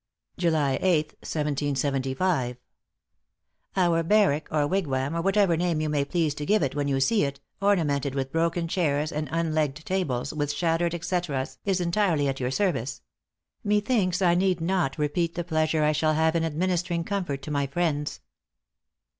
"July 8th, 1775. Our barrack, or wigwam, or whatever name you may please to give it when you see it, ornamented with broken chairs and unlegged tables, with shattered etceteras, is entirely at your service. Methinks I need not repeat the pleasure I shall have in administering comfort to my friends."